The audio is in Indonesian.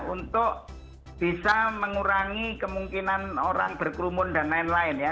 untuk bisa mengurangi kemungkinan orang berkerumun dan lain lain ya